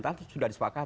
tadi sudah disepakat